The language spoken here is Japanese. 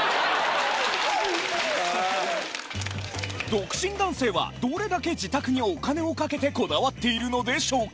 独身男性はどれだけ自宅にお金をかけてこだわっているのでしょうか？